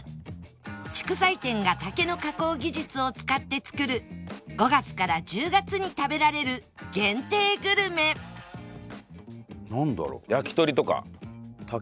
竹材店が竹の加工技術を使って作る５月から１０月に食べられる限定グルメなんだろう？